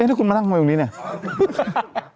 ถ้าคุณมานั่งมวยตรงนี้เนี่ย